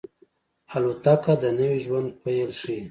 الوتکه د نوي ژوند پیل ښيي.